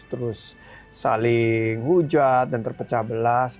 terus saling hujat dan terpecah belah